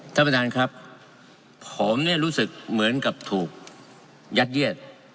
ท่านประธานครับผมเนี่ยรู้สึกเหมือนกับถูกยัดเยียด